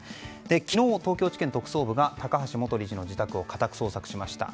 昨日、東京地検特捜部が高橋元理事の自宅を家宅捜索しました。